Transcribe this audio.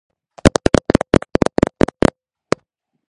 დიღმის მასივის ცენტრალური მაგისტრალია გრიგოლ რობაქიძის გამზირი.